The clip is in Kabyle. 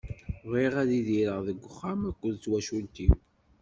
Bɣiɣ ad idireɣ deg uxxam akked twacult-iw.